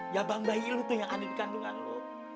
jabang bayi lo tuh yang anin kandungan lo